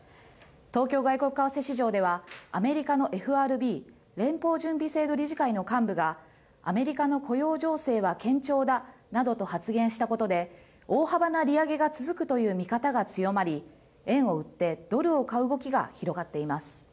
東京外国為替市場ではアメリカのＦＲＢ・連邦準備制度理事会の幹部がアメリカの雇用情勢は堅調だなどと発言したことで大幅な利上げが続くという見方が強まり円を売ってドルを買う動きが広がっています。